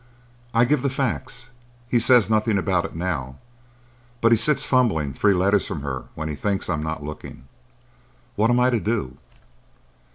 "I give the facts. He says nothing about it now, but he sits fumbling three letters from her when he thinks I'm not looking. What am I to do?"